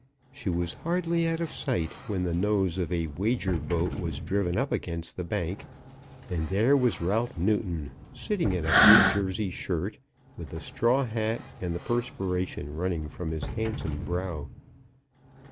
She was hardly out of sight when the nose of a wager boat was driven up against the bank, and there was Ralph Newton, sitting in a blue Jersey shirt, with a straw hat and the perspiration running from his handsome brow.